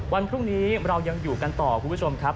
วันพรุ่งนี้เรายังอยู่กันต่อคุณผู้ชมครับ